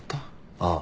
ああ。